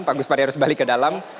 pak gus pari harus balik ke dalam